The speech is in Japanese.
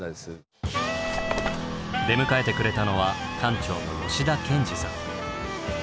出迎えてくれたのは館長の吉田憲司さん。